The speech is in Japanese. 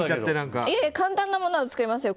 簡単なものは作れますよ。